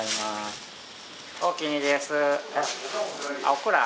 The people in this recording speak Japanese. オクラ？